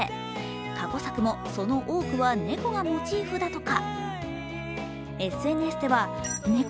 過去作も、その多くは猫がモチーフだとか。